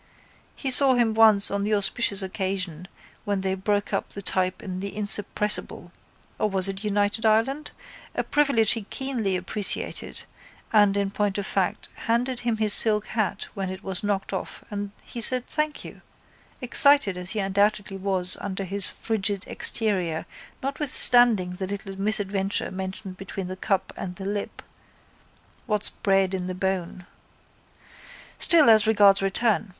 He saw him once on the auspicious occasion when they broke up the type in the Insuppressible or was it United Ireland, a privilege he keenly appreciated, and, in point of fact, handed him his silk hat when it was knocked off and he said Thank you, excited as he undoubtedly was under his frigid exterior notwithstanding the little misadventure mentioned between the cup and the lip: what's bred in the bone. Still as regards return.